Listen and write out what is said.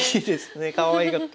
かわいかった。